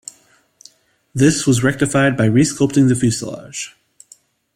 This was rectified by re-sculpting the fuselage.